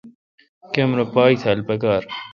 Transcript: کمرا پاک تھال پکار۔